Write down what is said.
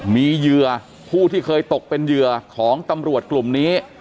มีเหยื่อผู้ที่เคยตกเป็นเหยื่อของตำรวจกลุ่มนี้